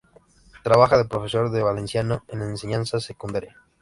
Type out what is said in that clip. Trabaja de profesor de valenciano en la enseñanza secundaria.